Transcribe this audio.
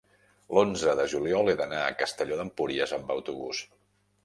l'onze de juliol he d'anar a Castelló d'Empúries amb autobús.